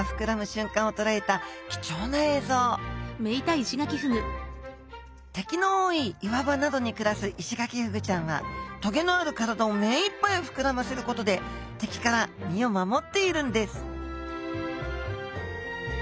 しゅんかんをとらえた貴重な映像敵の多い岩場などに暮らすイシガキフグちゃんは棘のある体をめいっぱい膨らませることで敵から身を守っているんです